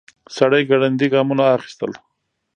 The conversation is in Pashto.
سړی ګړندي ګامونه اخيستل.